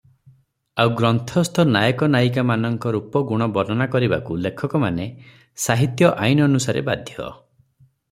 ଆଉ ଗ୍ରନ୍ଥସ୍ଥ ନାୟକ ନାୟିକାମାନଙ୍କ ରୂପ ଗୁଣ ବର୍ଣ୍ଣନା କରିବାକୁ ଲେଖକମାନେ ସାହିତ୍ୟ ଆଇନାନୁସାରେ ବାଧ୍ୟ ।